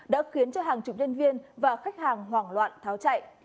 đã khiến cho hàng chục nhân viên và khách hàng hoảng loạn tháo chạy